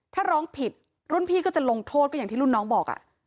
ถ้าร้องผิดรุ่นพี่ก็จะลงโทษก็อย่างที่รุ่นน้องบอก